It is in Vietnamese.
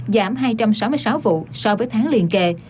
giảm hai trăm sáu mươi sáu vụ so với tháng liền kề